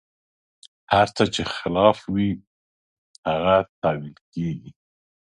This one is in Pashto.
هر څه چې خلاف وي، هغه تاویل کېږي.